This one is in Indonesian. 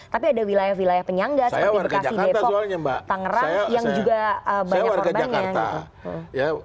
tapi ada wilayah wilayah penyangga seperti bekasi depok tangerang yang juga banyak korbannya gitu